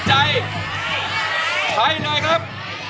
สวัสดีครับ